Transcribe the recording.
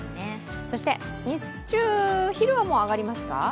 そして日中、昼はもう上がりますか？